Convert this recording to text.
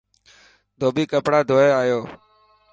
ڌوٻي ڪپڙا ڌوئي آيو.